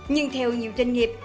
nhưng theo nhiều doanh nghiệp